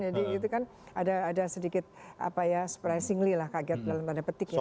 jadi itu kan ada sedikit apa ya surprisingly lah kaget dalam tanda petik ya